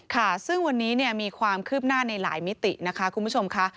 ค่ะซึ่งวันนี้มีความคืบหน้าในหลายมิตินะคะคุณผู้ชมค่ะ